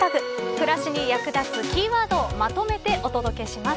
暮らしに役立つキーワードをまとめてお届けします。